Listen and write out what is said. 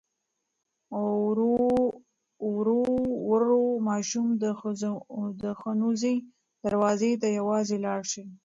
ورو ورو ماشوم د ښوونځي دروازې ته یوازې لاړ شي.